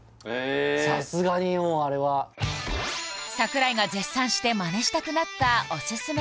さすがにもうあれは櫻井が絶賛してマネしたくなったおすすめ